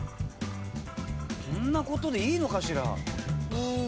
こんなことでいいのかしら。